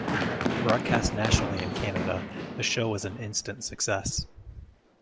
Broadcast nationally in Canada, the show was an instant success.